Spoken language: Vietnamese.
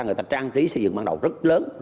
người ta trang trí xây dựng ban đầu rất lớn